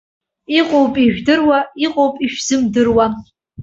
Иҟоуп ижәдыруа, иҟоуп ишәзымдыруа.